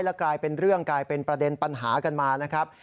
และกลายเป็นเรื่องกลายเป็นประเด็นปัญหากันมานะครับ